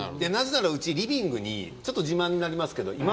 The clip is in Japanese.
なぜならうちリビングにちょっと自慢になりますけど